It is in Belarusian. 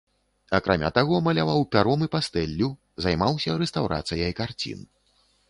Акрамя таго, маляваў пяром і пастэллю, займаўся рэстаўрацыяй карцін.